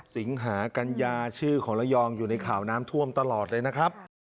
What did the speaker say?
สิงหากัญญาชื่อของระยองอยู่ในข่าวน้ำท่วมตลอดเลยนะครับ